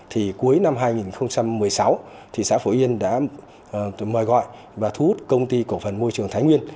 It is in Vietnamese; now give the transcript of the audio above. thì cuối năm hai nghìn một mươi sáu thị xã phổ yên đã mời gọi và thu hút công ty cổ phần môi trường thái nguyên